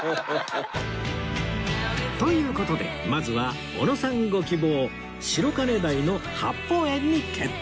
という事でまずはおのさんご希望白金台の八芳園に決定！